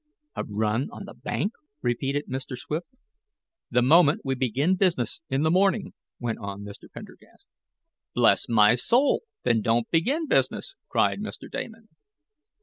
"A run on the bank?" repeated Mr. Swift. "The moment we begin business in the morning," went on Mr. Pendergast. "Bless my soul, then don't begin business!" cried Mr. Damon.